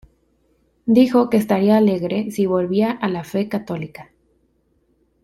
Dijo que estaría alegre si volvía a la fe católica.